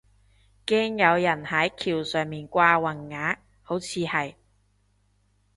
驚有人係橋上面掛橫額，好似係